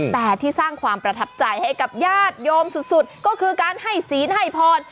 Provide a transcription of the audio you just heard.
แต่ที่สร้างความประทับใจให้กับญาติโยมสุดก็คือการให้ศีลให้พร